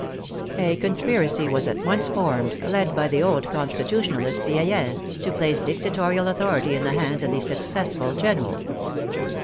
A conspiracy was at once formed, led by the old Constitutionalist, Sieyes, to place dictatorial authority in the hands of the successful gen eral.